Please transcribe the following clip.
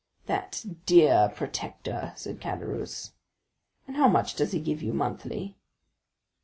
"That dear protector," said Caderousse; "and how much does he give you monthly?"